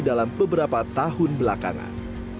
dalam beberapa tahun belakangan